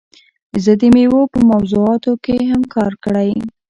زه د میوو په موضوعاتو کې هم کار کړی.